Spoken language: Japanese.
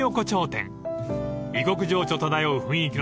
［異国情緒漂う雰囲気の中